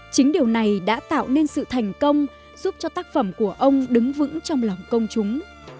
chính điều này đã tạo nên sự thành công giúp cho tác phẩm của ông đứng vững trong lòng công chúng